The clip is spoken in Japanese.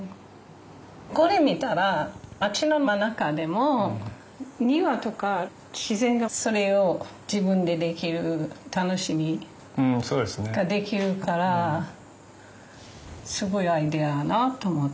これ見たら街の真ん中でも庭とか自然がそれを自分でできる楽しみができるからすごいアイデアやなと思ったんよね。